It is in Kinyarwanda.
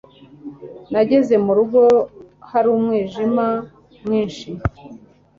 nageze mu rugo hari umwijima mwinshi